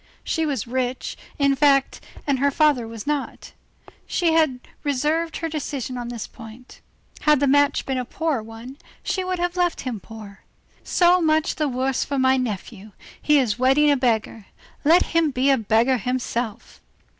She was rich, in fact, and her father was not. She had reserved her decision on this point. It is probable that, had the match been a poor one, she would have left him poor. "So much the worse for my nephew! he is wedding a beggar, let him be a beggar himself!"